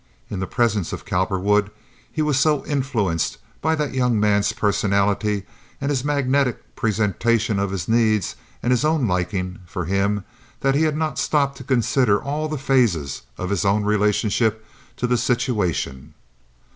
In the presence of Cowperwood he was so influenced by that young man's personality and his magnetic presentation of his need and his own liking for him that he had not stopped to consider all the phases of his own relationship to the situation.